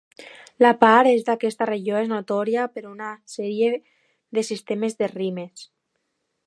La part est d'aquesta regió és notòria per a una sèrie de sistemes de rimes.